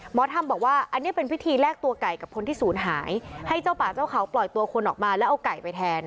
หมอธรรมบอกว่าอันนี้เป็นพิธีแลกตัวไก่กับคนที่ศูนย์หายให้เจ้าป่าเจ้าเขาปล่อยตัวคนออกมาแล้วเอาไก่ไปแทน